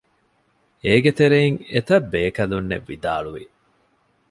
އޭގެތެރެއިން އެތައްބޭކަލުންނެއް ވިދާޅުވި